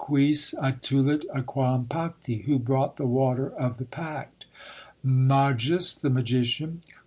"Quis attulit aquam pacti?" (Who brought the water of the pact?) "Magus" (The magician).